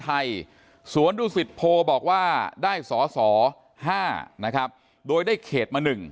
ไทยสวรรค์ดูสิทธิ์โพบอกว่าได้สส๕นะครับโดยได้เขตมา๑